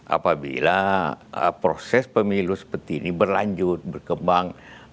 apabila proses pemilu seperti ini berlanjut berkembang